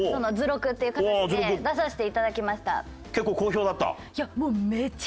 結構好評だった？